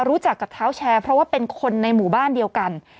รู้จักกับเท้าแชร์เพราะว่าเป็นคนในหมู่บ้านเดียวกัน